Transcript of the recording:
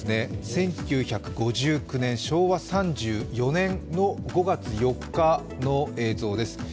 １９５９年、昭和３４年の５月４日の映像です。